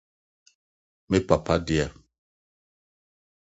me papa de